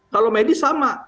kalau medis sama